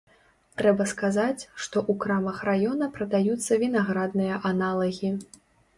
Трэба сказаць, што у крамах раёна прадаюцца вінаградныя аналагі.